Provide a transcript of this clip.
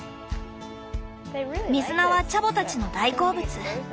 水菜はチャボたちの大好物。